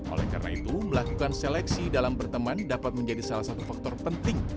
oleh karena itu melakukan seleksi dalam berteman dapat menjadi salah satu faktor penting